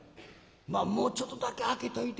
「まあもうちょっとだけ開けといて」。